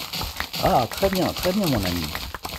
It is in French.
Ah ! très bien ! très bien ! mon ami !